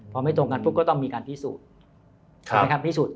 พอไม่องกันพวกก็ต้องมีการพิสูจน์